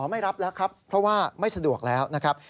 ไม่รับแล้วครับเพราะว่าไม่สะดวกแล้วนะครับ